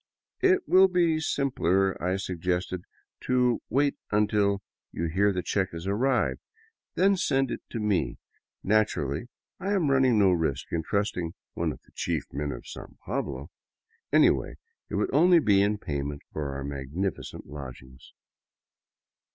..."*' It will be simpler," I suggested, " to wait until you hear the check has arrived; then send it to me. Naturally I am running no risk in trusting one of the chief men of San Pablo. Anyway, it would only be in payment for our magnificent lodgings."